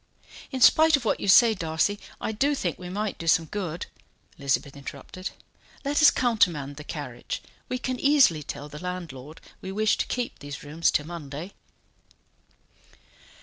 "In spite of what you say, Darcy, I do think we might do some good," Elizabeth interrupted. "Let us countermand the carriage. We can easily tell the landlord we wish to keep these rooms till Monday."